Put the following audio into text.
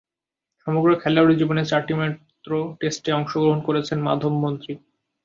সমগ্র খেলোয়াড়ী জীবনে চারটিমাত্র টেস্টে অংশগ্রহণ করেছেন মাধব মন্ত্রী।